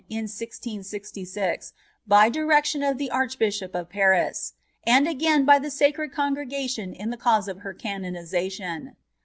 VII Sorbonne in 1666, by direction of the Arch bìsfaop of Paris ; and again by the Sacred Con gregation in the cause of her canonisation.